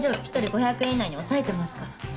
一人５００円以内に抑えてますから。